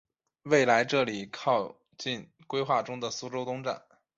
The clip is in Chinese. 未来这里靠近规划中的苏州东站。